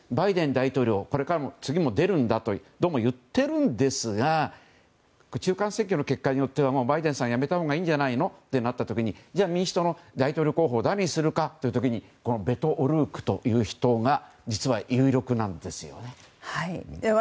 大統領次も出るんだとどうも言っているんですが中間選挙の結果によってはバイデンさんやめたほうがいいんじゃないのとなった時にじゃあ、民主党の大統領候補を誰にするかという時にこのベト・オルークという人が実は有力なんですよ。